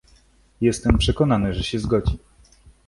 "Jestem przekonany, że się zgodzi."